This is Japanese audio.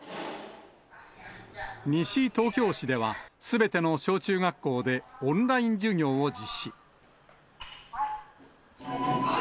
西東京市では、すべての小中学校でオンライン授業を実施。